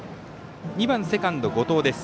２番、セカンド、後藤です。